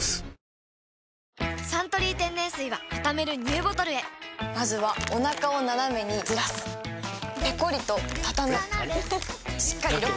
「サントリー天然水」はたためるＮＥＷボトルへまずはおなかをナナメにずらすペコリ！とたたむしっかりロック！